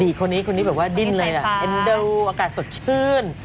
คนนี้คนนี้แบบว่าดิ้นเลยนะเอ็นดูอากาศสดชื่น